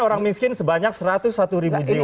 orang miskin sebanyak satu ratus satu ribu jiwa